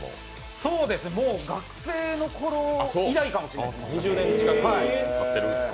そうですね、学生のころ以来かもしれないです。